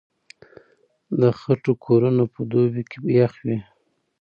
د خټو کورونه په دوبي کې يخ وي.